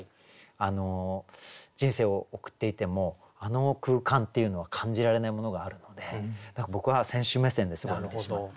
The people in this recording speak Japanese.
人生を送っていてもあの空間っていうのは感じられないものがあるので僕は選手目線でそれを見てしまって。